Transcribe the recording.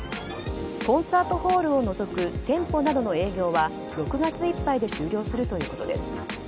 コンサートホールを除く店舗などの営業は６月いっぱいで終了するということです。